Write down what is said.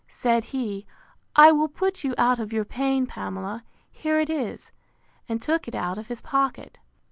Said he, I will put you out of your pain, Pamela: here it is: and took it out of his pocket.